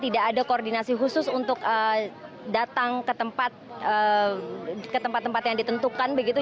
tidak ada koordinasi khusus untuk datang ke tempat tempat yang ditentukan begitu